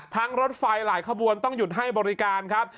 รถไฟหลายขบวนต้องหยุดให้บริการครับ